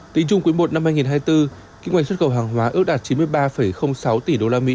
tính chung quý i năm hai nghìn hai mươi bốn kinh ngạch xuất khẩu hàng hóa ước đạt chín mươi ba sáu tỷ usd